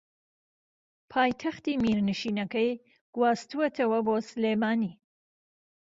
پایتەختی میرنشینەکەی گواستووەتەوە بۆ سلێمانی